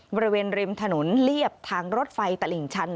บริเวณริมถนนเรียบทางรถไฟตลิ่งชัน